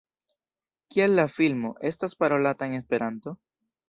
Kial la filmo estas parolata en Esperanto?